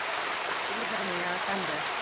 Сильвер миңә ышанды.